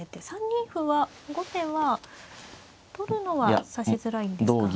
３二歩は後手は取るのは指しづらいんですか。